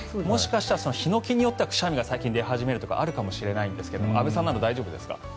もしかしたらヒノキによってはくしゃみが最近で始めるとかあるかもしれませんが安部さんなど大丈夫ですか？